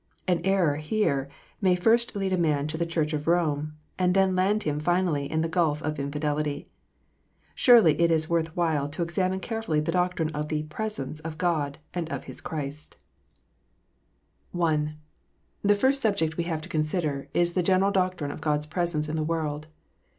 An error here may first lead a man to the Church of Rome, and then land him finally in the gulf of infidelity. Surely it is worth while to examine carefully the doctrine of the " presence " of God and of His Christ, 190 THE REAL PRESENCE. 191 I. The first subject we have to consider, is the general doctrine of God s presence in the world.